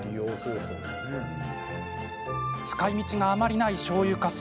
使いみちがあまりないしょうゆかす。